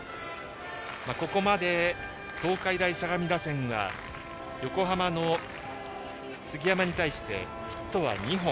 ここまで東海大相模打線が横浜の杉山に対してヒットは２本。